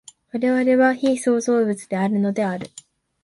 我々は被創造物であるのである。